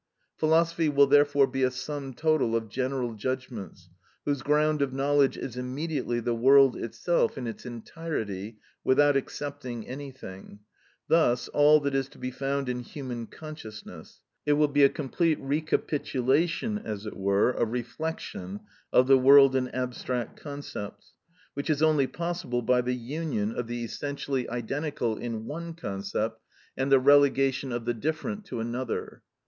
Philosophy will therefore be a sum total of general judgments, whose ground of knowledge is immediately the world itself in its entirety, without excepting anything; thus all that is to be found in human consciousness; it will be a complete recapitulation, as it were, a reflection, of the world in abstract concepts, which is only possible by the union of the essentially identical in one concept and the relegation of the different to another.